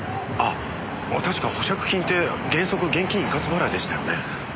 あ確か保釈金って原則現金一括払いでしたよね。